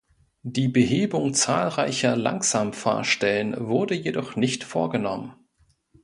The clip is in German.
Die Behebung zahlreicher Langsamfahrstellen wurde jedoch nicht vorgenommen.